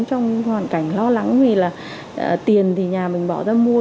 trong hoàn cảnh lo lắng vì là tiền thì nhà mình bỏ ra mua